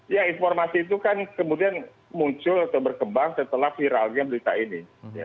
ya informasi itu kan kemudian muncul atau berkembang setelah viralnya berita ini